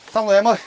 xong rồi em ơi